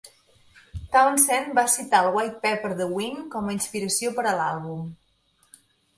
Townsend va citar el "White Pepper" de Ween com a inspiració per a l'àlbum.